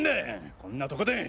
こんなとこで？